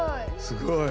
すごい。